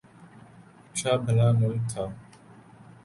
اچھا بھلا ملک تھا۔